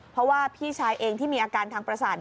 เพราะว่าพี่ชายเองที่มีอาการทางประสาท